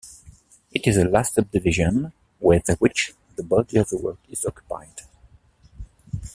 It is the last subdivision with which the body of the work is occupied.